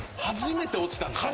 初めて落ちた。